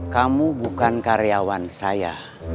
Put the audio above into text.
kamu bukan karyawan saya